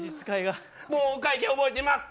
もう、お会計覚えてます。